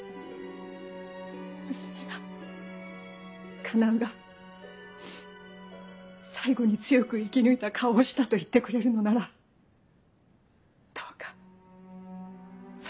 娘が叶が最後に強く生き抜いた顔をしたと言ってくれるのならどうかそれだけお願いします。